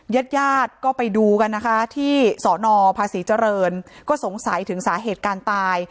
ญาติญาติก็ไปดูกันนะคะที่สนภาษีเจริญก็สงสัยถึงสาเหตุการตาย